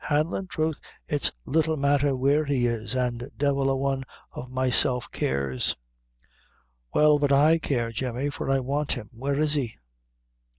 "Hanlon? troth, it's little matther where he is, an' devil a one o' myself cares." "Well, but I care, Jemmy, for I want him. Where is he?"